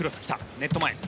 ネット前。